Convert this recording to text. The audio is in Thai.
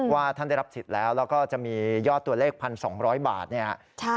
ว่าท่านได้รับสิทธิ์แล้วแล้วก็จะมียอดตัวเลข๑๒๐๐บาทเนี่ย